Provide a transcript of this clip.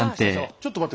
ちょっと待って。